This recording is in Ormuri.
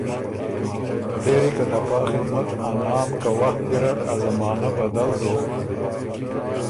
پېری ته پا خدمت ا نام که وخت ګیرډ ا زمانۀ بدل دوک